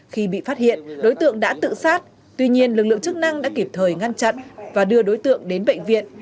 khi bị phát hiện đối tượng đã tự sát tuy nhiên lực lượng chức năng đã kịp thời ngăn chặn và đưa đối tượng đến bệnh viện